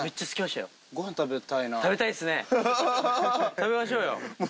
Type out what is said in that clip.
食べましょうよ。